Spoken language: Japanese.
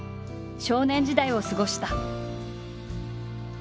少年時代を過ごした。